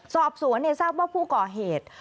สอบสวนทราบว่าผู้ก่อเหตุ